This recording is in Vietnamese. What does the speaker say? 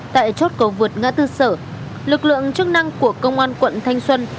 tại chốt cầu vượt ngã tư sở lực lượng chức năng của công an quận thanh xuân